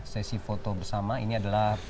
sesi foto bersama ini adalah